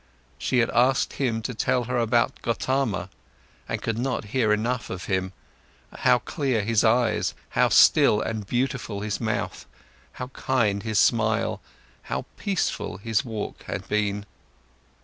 She had asked him to tell her about Gotama, and could not hear enough of him, how clear his eyes, how still and beautiful his mouth, how kind his smile, how peaceful his walk had been.